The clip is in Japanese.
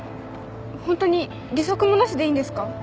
本当に利息もなしでいいんですか？